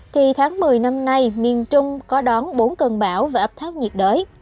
thì tháng một mươi năm nay miền trung có đón bốn cơn bão về áp thấp nhiệt đới